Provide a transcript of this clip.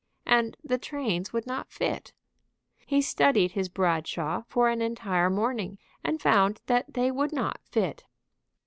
And the trains would not fit. He studied his Bradshaw for an entire morning and found that they would not fit.